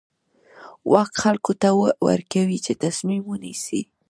واک خلکو ته ورکوي چې تصمیم ونیسي.